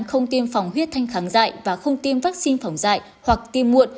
không tiêm phòng huyết thanh kháng dại và không tiêm vaccine phòng dạy hoặc tiêm muộn